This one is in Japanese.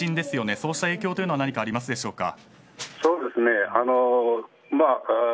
そうした影響というのは何かありますでしょうか。